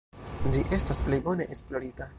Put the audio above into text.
Ĝi estas plej bone esplorita.